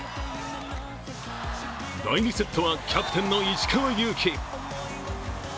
第２セットはキャプテンの石川祐希。